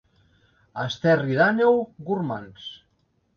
A Esterri d'Àneu, gormands.